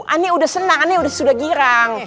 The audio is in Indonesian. ane udah senang ane udah sudah girang